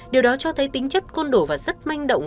điều đó cho thấy tính chất côn đổ và rất manh động